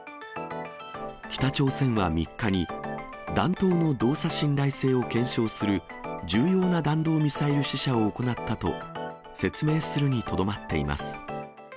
北朝鮮は３日に、弾頭の動作信頼性を検証する重要な弾道ミサイル試射を行ったと、説明するにとどまっています。